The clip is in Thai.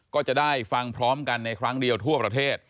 ก็จะได้ฟังพร้อมกันในครั้งเดียวทั่วประเทศ